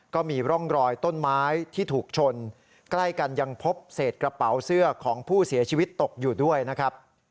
ก็มีร่องรอยต้นไม้ที่ถูกชนใกล้กันยังพบเศษกระเป๋าเสื้อของผู้เสียชีวิตตกอยู่ด้วยนะครับ